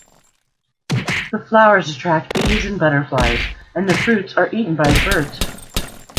The flowers attract bees and butterflies and the fruits are eaten by birds.